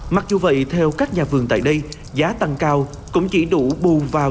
mặc dù vậy theo các nhà vườn tại đây giá tăng cao cũng chỉ đủ bùn vào